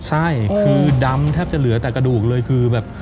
ใช่คือดำแทบจะเหลือแต่กระดูกเลยคือแบบ